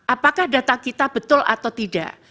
apakah data kita betul atau tidak